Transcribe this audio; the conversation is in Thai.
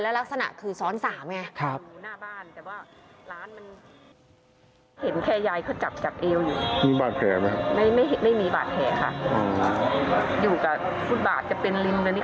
แล้วลักษณะคือซ้อนสามอย่างนี้